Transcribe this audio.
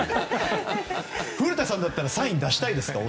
古田さんだったらサイン出したいですか？